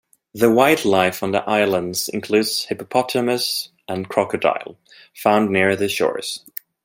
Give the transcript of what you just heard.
The wildlife on the islands includes hippopotamus and crocodile, found near the shores.